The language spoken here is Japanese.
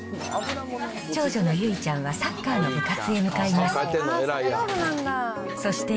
長女の優依ちゃんはサッカーの部活へ向かいます。